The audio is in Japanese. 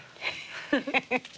フフフフ。